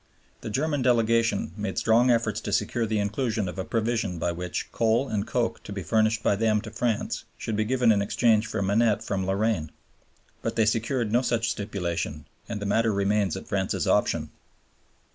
The German Delegation made strong efforts to secure the inclusion of a provision by which coal and coke to be furnished by them to France should be given in exchange for minette from Lorraine. But they secured no such stipulation, and the matter remains at France's option.